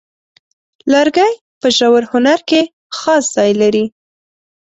لرګی په ژور هنر کې خاص ځای لري.